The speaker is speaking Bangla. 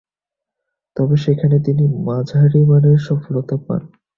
তবে, সেখানে তিনি মাঝারিমানের সফলতা পান।